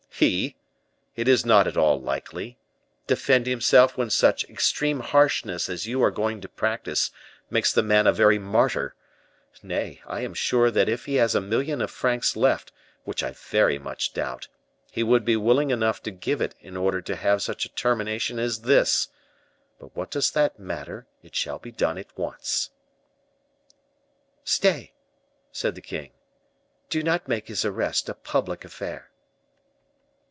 "He! it is not at all likely. Defend himself when such extreme harshness as you are going to practice makes the man a very martyr! Nay, I am sure that if he has a million of francs left, which I very much doubt, he would be willing enough to give it in order to have such a termination as this. But what does that matter? it shall be done at once." "Stay," said the king; "do not make his arrest a public affair."